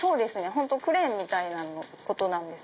クレーンみたいなことなんです。